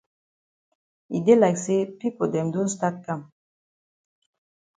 E dey like say pipo dem don stat kam.